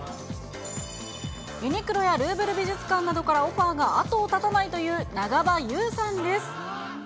ユニクロやルーブル美術館などからオファーが後を絶たないという、長場雄さんです。